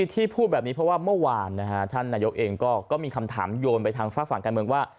พูดแบบนี้เพราะว่าเมื่อวานท่านนายกเองก็มีคำถามโยนไปทางฝากฝั่งการเมืองว่า